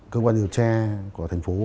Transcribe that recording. cơ quan điều tra của thành phố